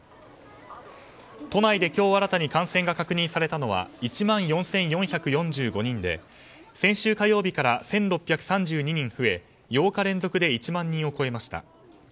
都内で今日新たに感染が確認されたのは１万４４４５人で先週火曜日から１６３２人増え８日連続で１万人を超えました。